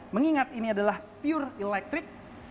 mengingat ini adalah pure elektrik